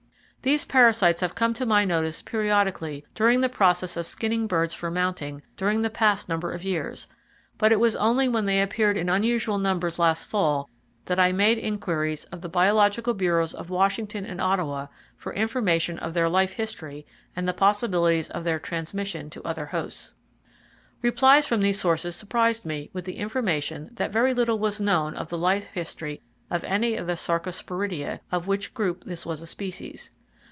These parasites have come to my notice periodically during the process of skinning birds for mounting during the past number of years, but it was only when they appeared in unusual numbers last fall that I made inquiries of the biological bureaus of Washington and Ottawa for information of their life history and the possibilities of their transmission to other hosts. Replies from these sources surprised me with the information that very little was known of the life history of any of the Sarcosporidia, of which group this was a species.